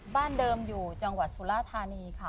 บ้านเดิมอยู่จังหวัดสุราธานีค่ะ